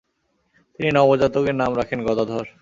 তিনি নবজাতকের নাম রাখেন গদাধর।